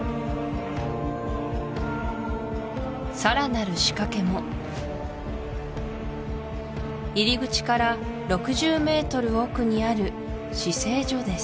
さらなる仕掛けも入り口から６０ｍ奥にある至聖所です